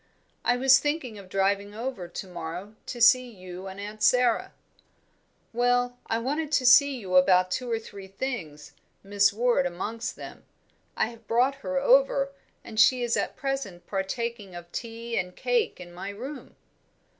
"I was thinking of driving over to morrow to see you and Aunt Sara." "Well, I wanted to see you about two or three things, Miss Ward amongst them. I have brought her over, and she is at present partaking of tea and cake in my room."